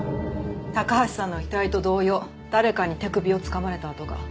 高橋さんの遺体と同様誰かに手首をつかまれた痕が。